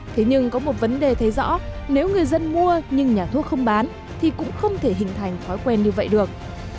thế nhưng có một vấn đề thấy rõ nếu người dân mua nhưng nhà thuốc không bán thì cũng không thể hình thành thói quen như vậy được